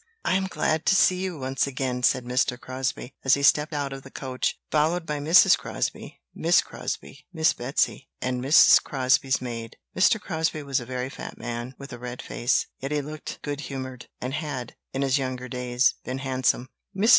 "I am glad to see you once again," said Mr. Crosbie, as he stepped out of the coach, followed by Mrs. Crosbie, Miss Crosbie, Miss Betsy, and Mrs. Crosbie's maid. Mr. Crosbie was a very fat man, with a red face, yet he looked good humoured, and had, in his younger days, been handsome. Mrs.